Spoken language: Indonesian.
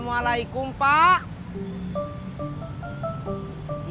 tapi jika ada des octonel mehr